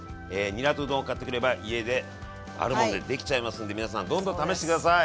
にらとうどんを買ってくれば家であるものでできちゃいますんで皆さんどんどん試して下さい。